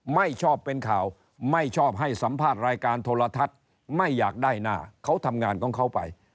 ไม่ชอบเป็นข่าวไม่ชอบให้สัมภาษณ์รายการโทรทัศน์ไม่อยากได้หน้าเขาทำงานของเขาไป